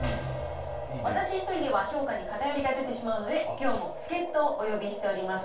私１人では評価に偏りが出てしまうので、きょうも助っ人をお呼びしております。